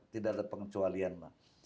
tidak ada pengecualian pak